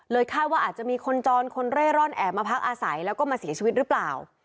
คาดว่าอาจจะมีคนจรคนเร่ร่อนแอบมาพักอาศัยแล้วก็มาเสียชีวิตหรือเปล่า